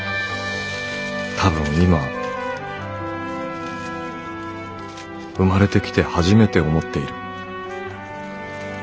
多分今生まれてきてはじめて思っている」。